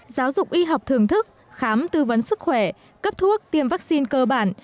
giáo dục y học thưởng thức khám tư vấn sức khỏe cấp thuốc tiêm vaccine cơ bản